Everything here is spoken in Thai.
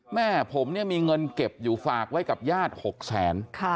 แม่ผมเนี่ยมีเงินเก็บอยู่ฝากไว้กับญาติ๖แสน